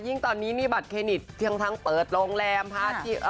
ยิ่งตอนนี้นี่บัตรเคนิสที่ทั้งแปิดโรงแรมที่